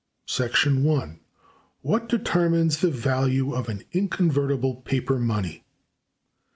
What determines the value of an inconvertible paper money?